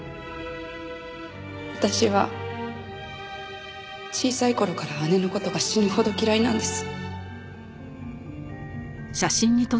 私は小さい頃から姉の事が死ぬほど嫌いなんです。